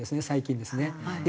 最近ですね。